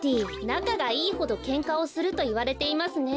なかがいいほどケンカをするといわれていますね。